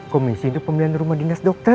komisi itu pembelian rumah dinas dokter